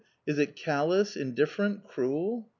Is it callous, indifferent, cruel?